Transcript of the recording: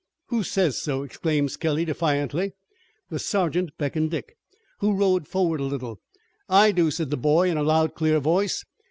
"Who says so?" exclaimed Skelly defiantly. The sergeant beckoned Dick, who rode forward a little. "I do," said the boy in a loud, clear voice.